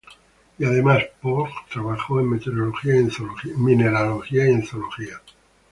Y además, Pohl trabajó en mineralogía y en zoología.